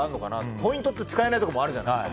ポイントって使えないところがあるじゃないですか。